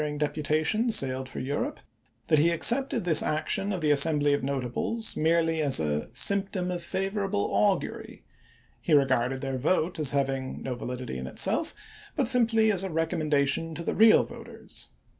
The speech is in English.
ing deputation sailed for Europe, that he accepted this action of the assembly of notables merely as a " symptom of favorable augury" ; he regarded their vote as having no validity in itself, but simply as a recommendation to the real voters.